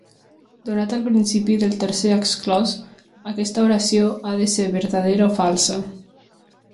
Donat el principi del tercer exclòs, aquesta oració ha de ser vertadera o falsa.